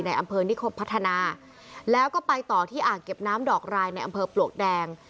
อำเภอนิคมพัฒนาแล้วก็ไปต่อที่อ่างเก็บน้ำดอกรายในอำเภอปลวกแดง